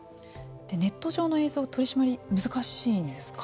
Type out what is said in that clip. ネット上の映像取締りは難しいんですか。